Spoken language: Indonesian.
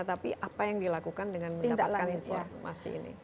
tapi apa yang dilakukan dengan mendapatkan informasi ini